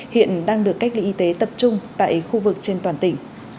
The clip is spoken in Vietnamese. hiện đang được cách ly y tế tập trung tại khu vực trên toàn tỉnh